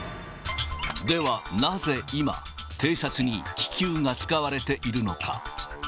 ではなぜ今、偵察に気球が使われているのか。